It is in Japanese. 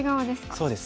そうです。